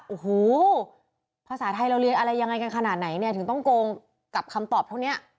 โอ้โหภาษาไทยเราเรียนอะไรยังไงกันขนาดไหนเนี่ยถึงต้องโกงกับคำตอบเท่านี้